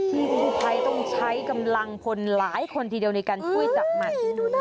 กู้ภัยต้องใช้กำลังพลหลายคนทีเดียวในการช่วยจับมัน